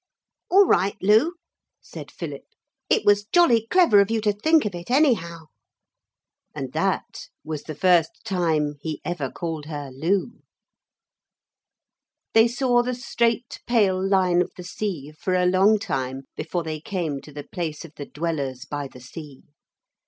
'All right, Lu,' said Philip. 'It was jolly clever of you to think of it anyhow.' And that was the first time he ever called her Lu. ....... They saw the straight pale line of the sea for a long time before they came to the place of the Dwellers by the Sea.